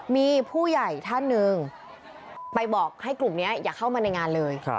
มีผู้ใหญ่ท่านหนึ่งไปบอกให้กลุ่มนี้อย่าเข้ามาในงานเลย